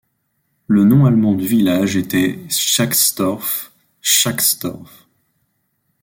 Le nom allemand du village était Tzschacksdorf, Schacksdorf.